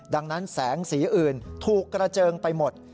ดังนั้นแสงสีอื่นถูกกระเจิงไปหมด